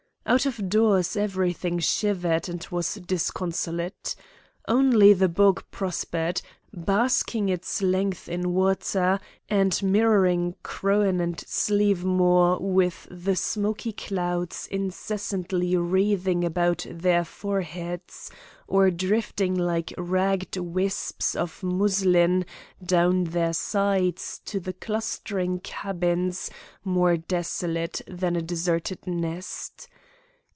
Out of doors everything shivered and was disconsolate. Only the bog prospered, basking its length in water, and mirroring Croghan and Slievemore with the smoky clouds incessantly wreathing about their foreheads, or drifting like ragged wisps of muslin down their sides to the clustering cabins more desolate than a deserted nest.